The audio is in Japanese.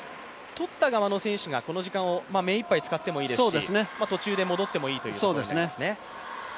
とった側の選手がこの時間を目いっぱい使ってもいいですし途中で戻ってもいいということになりますね。